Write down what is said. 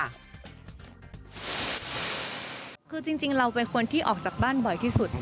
คือจริงเราเป็นคนที่ออกจากบ้านบ่อยที่สุด